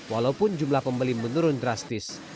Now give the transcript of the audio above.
walaupun jumlah pembeli menurun drastis